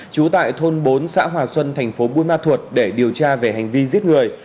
trú tại thôn bốn xã hòa xuân thành phố buôn ma thuột để điều tra về hành vi giết người